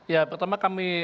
ya pertama kami